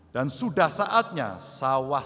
dan sudah saatnya sawatan